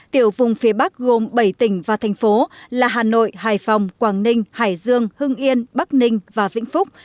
tiểu vùng phía bắc gồm bảy tỉnh và thành phố là hà nội hải phòng quảng ninh hải dương hưng yên bắc ninh và vĩnh phúc